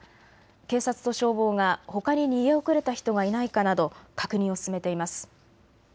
警察と消防がほかに逃げ遅れた人がいないかなど確認を進めています。